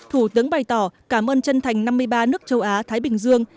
thủ tướng bày tỏ cảm ơn chân thành năm mươi ba nước châu á thái bình dương